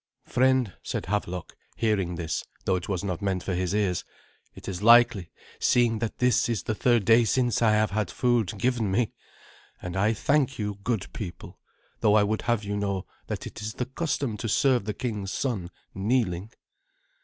"Friend," said Havelok, hearing this, though it was not meant for his ears, "it is likely, seeing that this is the third day since I have had food given me. And I thank you, good people, though I would have you know that it is the custom to serve the king's son kneeling."